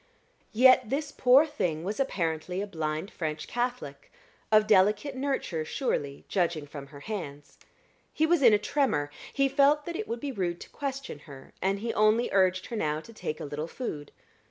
Yet this poor thing was apparently a blind French Catholic of delicate nurture, surely, judging from her hands. He was in a tremor; he felt that it would be rude to question her, and he only urged her now to take a little food.